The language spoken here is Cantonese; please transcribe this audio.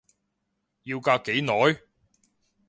要隔幾耐？